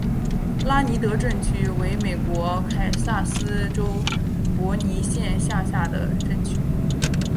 拉尼德镇区为美国堪萨斯州波尼县辖下的镇区。